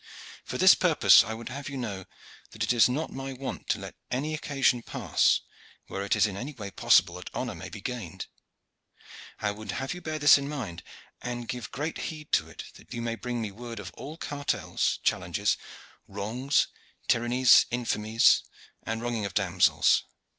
For this purpose I would have you know that it is not my wont to let any occasion pass where it is in any way possible that honor may be gained. I would have you bear this in mind, and give great heed to it that you may bring me word of all cartels, challenges, wrongs, tyrannies, infamies, and wronging of damsels.